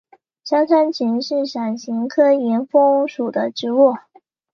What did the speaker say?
山香芹是伞形科岩风属的植物。